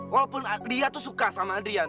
walaupun dia suka dengan adrian